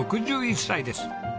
６１歳です。